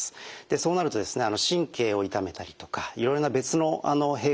そうなると神経を痛めたりとかいろいろな別の弊害も出てきます。